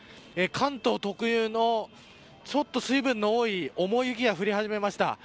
関東特有のちょっと水分の多い重い雪が降り始めました。